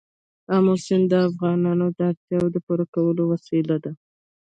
آمو سیند د افغانانو د اړتیاوو د پوره کولو وسیله ده.